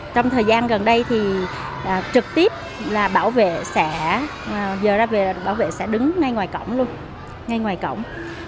trong thời gian gần đây thì trực tiếp bảo vệ sẽ đứng ngay ngoài cổng